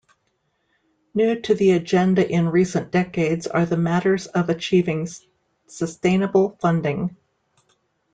New to the agenda in recent decades are the matters of achieving sustainable funding.